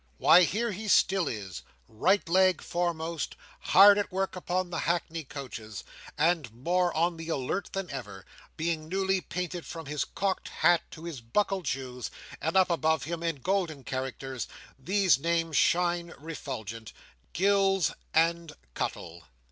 Why, here he still is, right leg foremost, hard at work upon the hackney coaches, and more on the alert than ever, being newly painted from his cocked hat to his buckled shoes; and up above him, in golden characters, these names shine refulgent, GILLS AND CUTTLE.